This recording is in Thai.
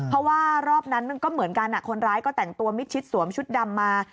เพราะว่ารอบนั้นมันก็เหมือนกันคนร้ายก็แต่งตัวมิดชิดสวมชุดดำมา